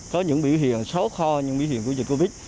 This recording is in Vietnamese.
có những biểu hiện xấu kho những biểu hiện của dịch covid